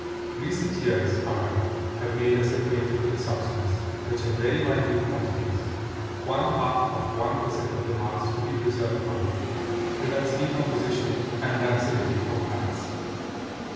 Recent years, however, have made us acquainted with a substance which in very minute quantities—one half of one per cent of the mass to be preserved by it—prevents decomposition and rancidity of fats.